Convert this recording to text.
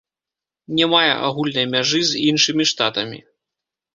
Не мае агульнай мяжы з іншымі штатамі.